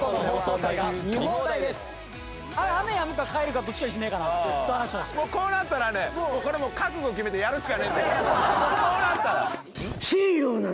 こうなったらねこれもう覚悟決めてやるしかねえんだよ。